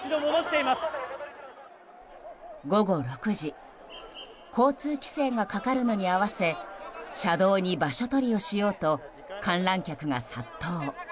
午後６時交通規制がかかるのに合わせ車道に場所取りをしようと観覧客が殺到。